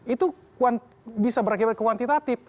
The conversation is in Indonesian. itu bisa berakibat kuantitatif